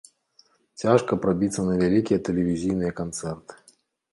Цяжка прабіцца на вялікія тэлевізійныя канцэрты.